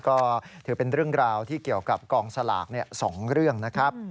ก็ถือเป็นเรื่องราวที่เกี่ยวกับกองสลาก๒เรื่องนะครับ